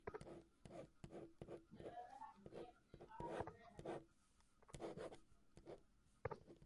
ক্রোধের আভাসমাত্র প্রকাশ করিলেন না।